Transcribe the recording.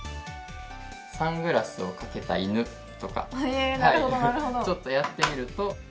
サングラスをかけた犬とかちょっとやってみると。